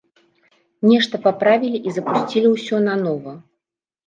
Нешта паправілі, і запусцілі ўсё нанова.